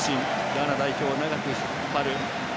ガーナ代表を長く引っ張る。